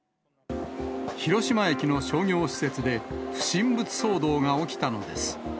広島駅の商業施設で不審物騒動が起きたのです。